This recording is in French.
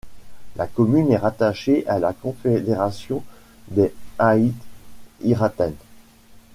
La commune est rattachée à la confédération des Aït Iraten.